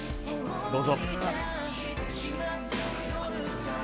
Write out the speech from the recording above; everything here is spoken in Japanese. どうぞ。